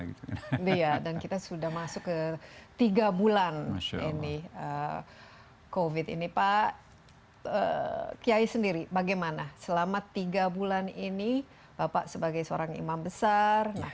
iya dan kita sudah masuk ke tiga bulan ini covid ini pak kiai sendiri bagaimana selama tiga bulan ini bapak sebagai seorang imam besar